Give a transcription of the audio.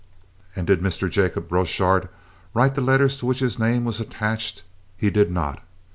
_ And did Mr. Jacob Borchardt write the letters to which his name was attached? He did not.